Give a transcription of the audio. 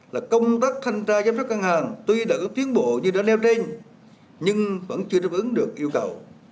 là công tác thanh tra giám sát ngân hàng tuy đã có tiến bộ như đã nêu trên nhưng vẫn chưa đáp ứng được yêu cầu